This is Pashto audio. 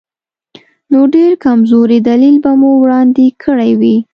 نو ډېر کمزوری دلیل به مو وړاندې کړی وي.